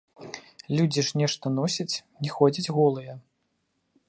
Людзі ж нешта носяць, не ходзяць голыя.